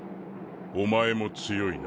お前も強いな。